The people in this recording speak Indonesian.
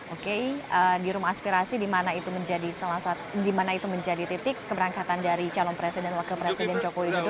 oke di rumah aspirasi di mana itu menjadi titik keberangkatan dari calon presiden dan wakil presiden joko widodo